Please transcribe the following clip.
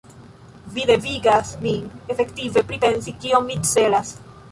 Vi devigas min efektive pripensi, kion mi celas.